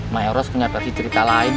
maeros kenyataan cerita lainnya